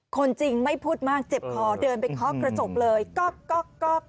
คนจริงไม่พูดมากเจ็บคอเดินไปเคาะกระจกเลยก๊อก